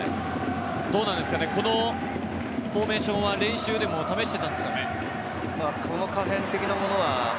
どうなんですかね、このフォーメーションは練習でも試していたんでしょうかね。